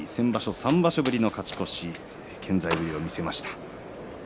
３場所ぶりの勝ち越し健在ぶりを見せました。